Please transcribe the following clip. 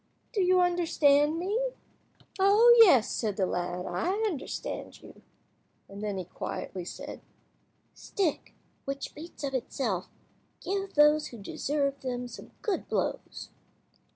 Do you understand me?" "Oh yes," said the lad, "I understand you;" and then he quietly said— "Stick, which beats of itself, give those who deserve them some good blows."